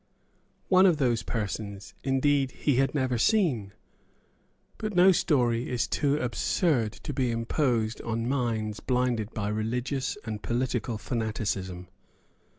One of those persons, indeed, he had never seen. But no story is too absurd to be imposed on minds blinded by religious and political fanaticism.